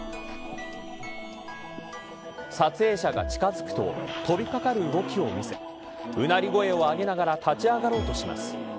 撮影者が近づくと飛びかかる動きを見せうなり声を上げながら立ち上がろうとします。